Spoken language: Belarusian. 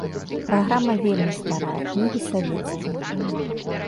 Праграма вельмі старая, кнігі савецкія.